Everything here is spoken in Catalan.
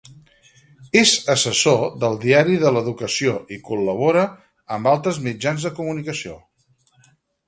És assessor del Diari de l'Educació i col·labora amb altres mitjans de comunicació.